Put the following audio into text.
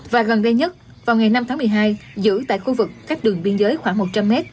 và gần đây nhất vào ngày năm tháng một mươi hai giữ tại khu vực cách đường biên giới khoảng một trăm linh m